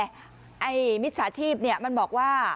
แต่มิจฉาธิพย์มันบอกว่า